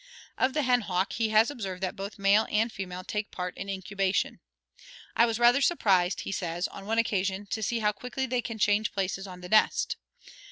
Of the hen hawk, he has observed that both male and female take part in incubation. "I was rather surprised," he says, "on one occasion, to see how quickly they change places on the nest.